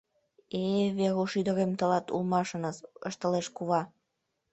— Э-э, Веруш ӱдырем улат улмашыныс, — ышталеш кува.